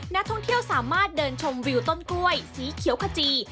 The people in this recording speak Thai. นักท่องเที่ยวสามารถเดินชมวิวต้นกล้วยสีเขียวขจี